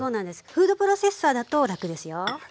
フードプロセッサーだと楽ですよ。